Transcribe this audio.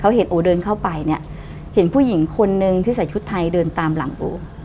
เขาเห็นโอเดินเข้าไปเนี่ยเห็นผู้หญิงคนนึงที่ใส่ชุดไทยเดินตามหลังโอ